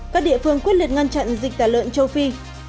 các địa phương quyết liệt ngăn chặn dịch tả lợn châu phi